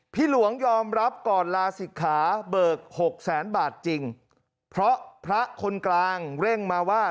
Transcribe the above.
หลวงยอมรับก่อนลาศิกขาเบิกหกแสนบาทจริงเพราะพระคนกลางเร่งมาว่า